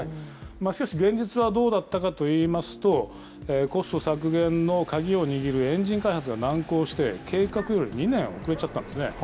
しかし、現実はどうだったかといいますと、コスト削減の鍵を握るエンジン開発が難航して、計画より２年遅れちゃったんですね。